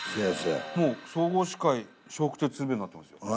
もう「総合司会笑福亭鶴瓶」になってますよ。